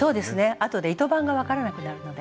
あとで糸番が分からなくなるので。